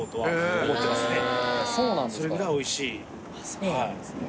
そうなんですか。